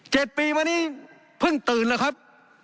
เจ็ดปีวันนี้เพิ่งตื่นแล้วครับ